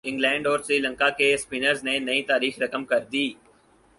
England اور سری لنکا کے spinners نے نئی تاریخ رقم کر دی